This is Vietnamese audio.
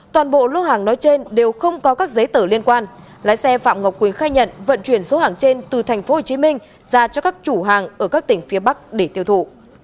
toàn bộ lô hàng nói trên đều không có các giấy tờ liên quan lái xe phạm ngọc quyền khai nhận vận chuyển số hàng trên từ tp hcm ra cho các chủ hàng ở các tỉnh phía bắc để tiêu thụ